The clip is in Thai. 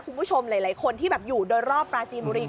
คุณผู้ชมหลายคนที่อยู่โดยรอบปราจีนบุรี